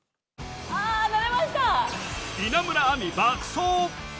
稲村亜美、爆走。